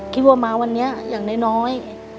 คิดว่ามาวันนี้อย่างน้อย